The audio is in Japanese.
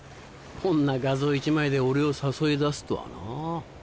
こんな画像一枚で俺を誘い出すとはなぁ。